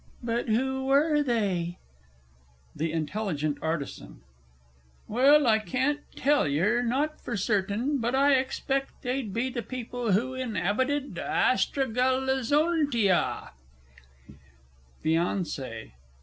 But who were they? THE I. A. Well, I can't tell yer not for certain; but I expect they'd be the people who in'abited Astragalizontia. FIANCÉE.